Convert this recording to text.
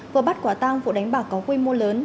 vừa bắt quả tang vụ đánh bạc có quy mô lớn